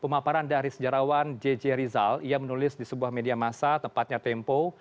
pemaparan dari sejarawan jj rizal ia menulis di sebuah media masa tepatnya tempo